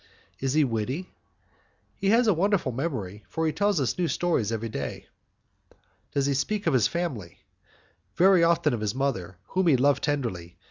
"Is he witty?" "He has a wonderful memory, for he tells us new stories every day." "Does he speak of his family?" "Very often of his mother, whom he loved tenderly.